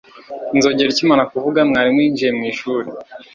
inzogera ikimara kuvuza mwarimu yinjiye mu ishuri